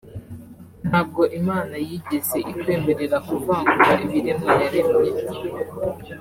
ntabwo Imana yigeze ikwemerera kuvangura ibiremwa yaremye